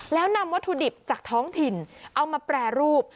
แล้วนำวัตถุดิบจากท้องถิ่นเอามาแปรรูป